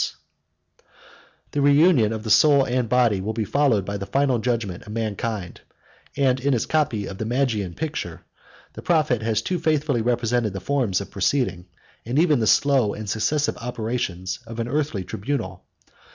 ] The reunion of the soul and body will be followed by the final judgment of mankind; and in his copy of the Magian picture, the prophet has too faithfully represented the forms of proceeding, and even the slow and successive operations, of an earthly tribunal.